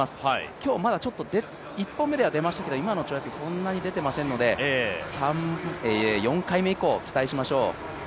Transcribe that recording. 今日、まだちょっと１本目では出ましたけど今の跳躍そんなに出ていませんので、４回目以降期待しましょう。